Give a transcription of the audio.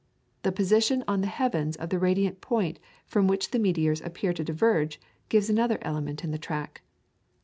The position on the heavens of the radiant point from which the meteors appear to diverge, gives another element in the track.